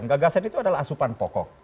gagasan itu adalah asupan pokok